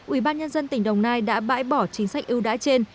ubnd tỉnh đồng nai đã bãi bỏ chính sách ưu đã trên